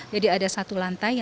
jadi ada satu lantai